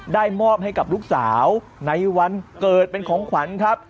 ได้มอบให้กับลูกสาวในวันเกิดเป็นของขวัญครับ